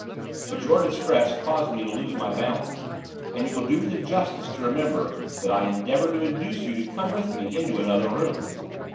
But your distress caused me to lose my balance. And you will do me the justice to remember that I endeavoured to induce you to come with me into another room.